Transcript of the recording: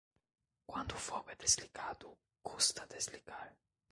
Quando o fogo é desligado, custa desligar.